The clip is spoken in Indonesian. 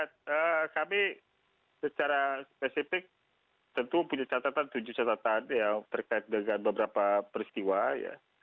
dan kami secara spesifik tentu punya catatan tujuh catatan yang terkait dengan beberapa peristiwa ya